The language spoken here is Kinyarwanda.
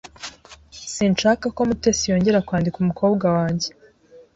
Sinshaka ko Mutesi yongera kwandikira umukobwa wanjye.